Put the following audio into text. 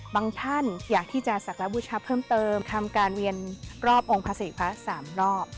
ท่านอยากที่จะสักบูชาเพิ่มเติมทำการเวียนรอบองค์พระศรีพระ๓รอบ